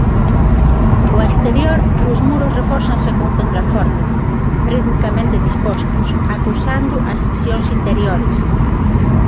Ao exterior, os muros refórzanse con contrafortes, ritmicamente dispostos, acusando as divisións interiores.